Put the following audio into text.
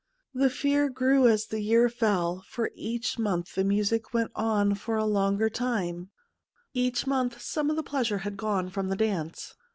The fear grew as the year fell, for each month the music went on for a longer time — each month some of the pleasure had gone from the dance.